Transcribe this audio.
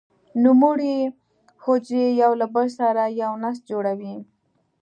نوموړې حجرې یو له بل سره یو نسج جوړوي.